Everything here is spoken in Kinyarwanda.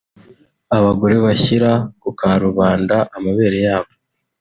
abagore bashyira ku karubanda amabere yabo